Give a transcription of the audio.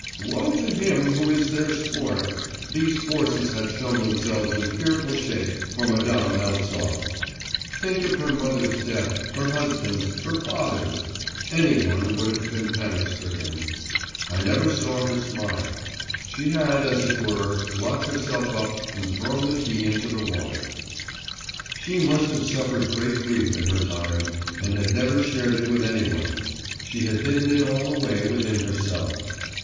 Woe to him who is their sport! These forces had shown themselves in fearful shape for Madame Eltsov; think of her mother's death, her husband's, her father's.… Any one would have been panic stricken. I never saw her smile. She had, as it were, locked herself up and thrown the key into the water. She must have suffered great grief in her time, and had never shared it with any one; she had hidden it all away within herself.